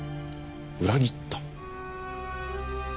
裏切った？